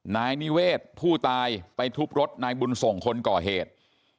นายนิเวศผู้ตายไปทุบรถนายบุญส่งคนก่อเหตุ